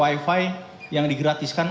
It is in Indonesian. jadi tempat lain juga yang digratiskan